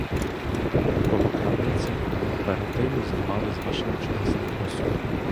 Коло крамниці кооперативу знімали з машин чудесний посуд.